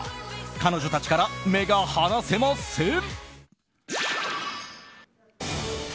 彼女たちから目が離せません！